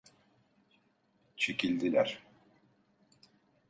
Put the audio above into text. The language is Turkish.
Çekildiler.